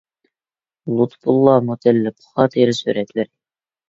لۇتپۇللا مۇتەللىپ خاتىرە سۈرەتلىرى.